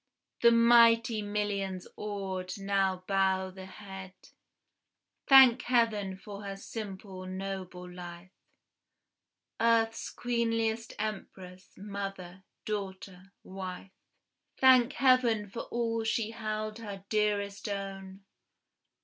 The mighty millions, awed, now bow the head, Thank Heaven for her simple, noble life, Earth's queenliest empress, mother, daughter, wife! Thank Heaven for all she held her dearest own!